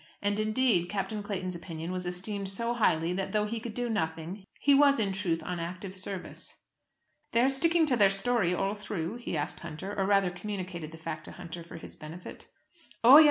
And, indeed, Captain Clayton's opinion was esteemed so highly, that, though he could do nothing, he was in truth on active service. "They are sticking to their story, all through?" he asked Hunter, or rather communicated the fact to Hunter for his benefit. "Oh, yes!